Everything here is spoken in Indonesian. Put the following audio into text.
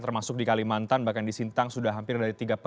termasuk di kalimantan bahkan di sintang sudah hampir dari tiga pekan